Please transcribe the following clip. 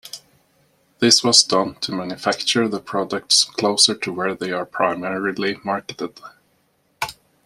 This was done to manufacture the products closer to where they are primarily marketed.